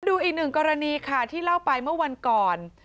ดูอีกหนึ่งกรณีค่ะที่เล่าไปเมื่อวันก่อน